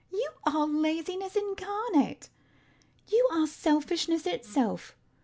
You are laziness incarnate. You are selfishness itself.